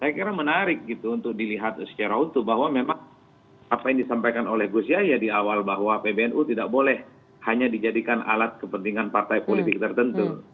saya kira menarik gitu untuk dilihat secara utuh bahwa memang apa yang disampaikan oleh gus yahya di awal bahwa pbnu tidak boleh hanya dijadikan alat kepentingan partai politik tertentu